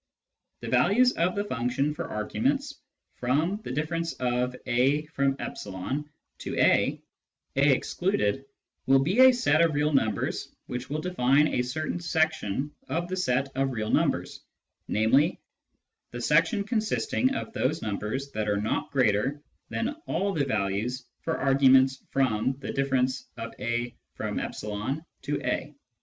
The values of the function for arguments from a— e to a {a excluded) will be a set of real numbers which will define a certain section of the set of real numbers, namely, the section consisting of those numbers that are not greater than all the values for arguments from a— e to a.